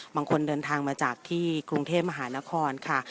บางคนเดินทางมาจากที่กรุงเทพมหานครค่ะ